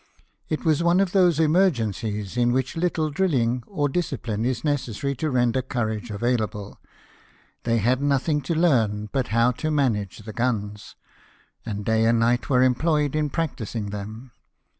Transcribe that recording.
It was one of those emergencies in which little drilling or discipline is necessary to render courage available ; they had nothing to learn but how to manage the gmis, and day and night were employed in practising them.